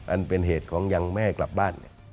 อันเป็นเหตุของยังไม่ให้กลับบ้าน